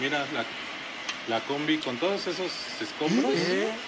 えっ？